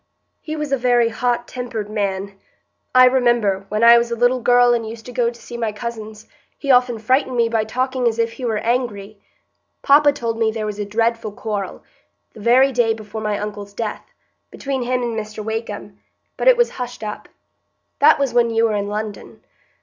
"He was a very hot tempered man. I remember, when I was a little girl and used to go to see my cousins, he often frightened me by talking as if he were angry. Papa told me there was a dreadful quarrel, the very day before my uncle's death, between him and Mr Wakem, but it was hushed up. That was when you were in London.